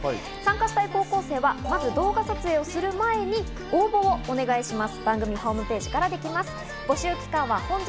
参加したい高校生はまず動画撮影をする前に応募をお願いします。